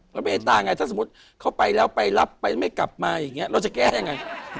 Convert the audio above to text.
แล้วเมตตาไงถ้าสมมุติเขาไปแล้วไปรับไปไม่กลับมาอย่างนี้เราจะแก้ยังไง